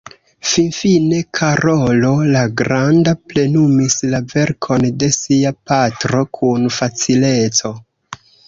Finfine Karolo la Granda plenumis la verkon de sia patro kun facileco.